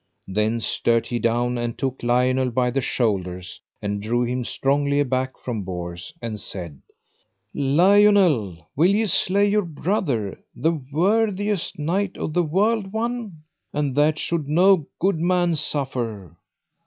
Then stert he down and took Lionel by the shoulders, and drew him strongly aback from Bors, and said: Lionel, will ye slay your brother, the worthiest knight of the world one? and that should no good man suffer.